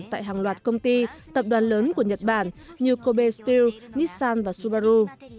tại hàng loạt công ty tập đoàn lớn của nhật bản như kobe stu nissan và subaru